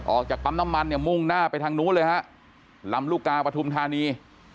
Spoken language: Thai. ออกจากปั๊มน้ำมันเนี่ยมุ่งหน้าไปทางนู้นเลยฮะลำลูกกาปฐุมธานี